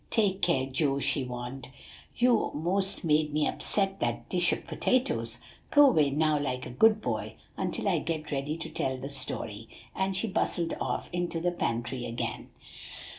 "Take care, Joe," she warned; "you most made me upset that dish of potatoes. Go away now like a good boy, until I get ready to tell the story;" and she bustled off into the pantry again.